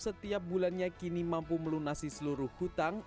setiap bulannya kini mampu melunasi seluruh hutang